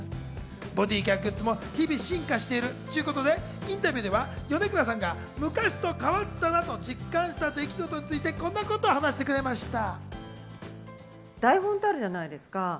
ボディーケアグッズも日々進化しているということでインタビューでは米倉さんが昔と変わったなと実感した出来事についてこんなことを話してくれました。